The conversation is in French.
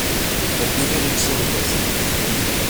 Elle devait réussir le test.